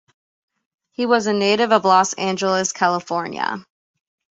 He was a native of Los Angeles, California.